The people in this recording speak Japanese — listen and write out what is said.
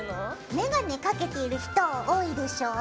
メガネかけている人多いでしょ？